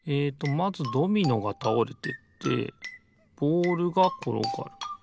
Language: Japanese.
まずドミノがたおれてってボールがころがる。